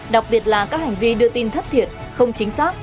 đặc biệt là các hành vi đưa tin thất thiệt không chính xác